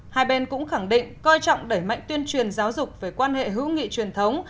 hai bên cũng khẳng định coi trọng đẩy mạnh tuyên truyền giáo dục về quan hệ hữu nghị truyền thống